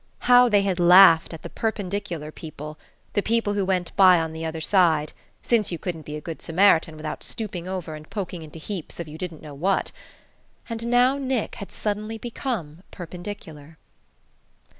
How they had laughed at the Perpendicular People, the people who went by on the other side (since you couldn't be a good Samaritan without stooping over and poking into heaps of you didn't know what)! And now Nick had suddenly become perpendicular....